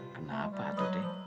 kenapa tuh dede